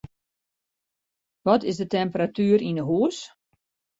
Wat is de temperatuer yn 'e hús?